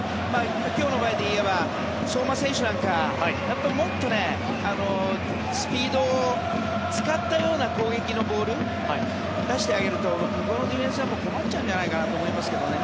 今日の場合でいえば相馬選手なんか、もっとスピードを使ったような攻撃のボールを出してあげると向こうのディフェンスは困るのではと思いますがね